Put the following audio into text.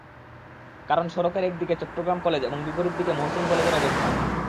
কারণ, সড়কের একদিকে চট্টগ্রাম কলেজ এবং বিপরীত দিকে মহসীন কলেজের অবস্থান।